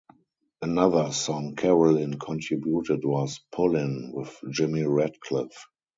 Another song Carolyn contributed was "Pullin'" with Jimmy Radcliffe.